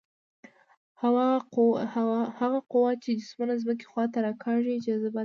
هغه قوه چې جسمونه ځمکې خواته راکاږي جاذبه ده.